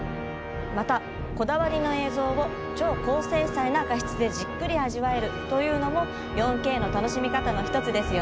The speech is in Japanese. またこだわりの映像を超高精細な画質でじっくり味わえるというのも４Ｋの楽しみ方の一つですよね。